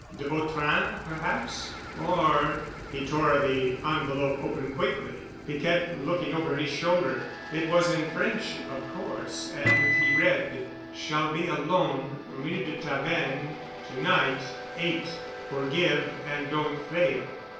De Vautrin perhaps——? Or—— He tore the envelope open quickly, Piquette looking over his shoulder. It was in French, of course, and he read, "Shall be alone Rue de Tavennes to night eight. Forgive and don't fail.